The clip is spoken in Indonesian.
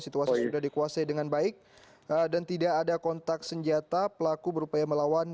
situasi sudah dikuasai dengan baik dan tidak ada kontak senjata pelaku berupaya melawan